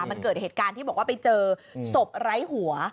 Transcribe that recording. มันเกิดเหตุการณ์ที่บอกว่าไปเจอศพไร้หัว